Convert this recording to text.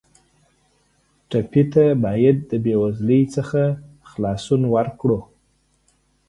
ټپي ته باید د بېوزلۍ نه خلاصون ورکړو.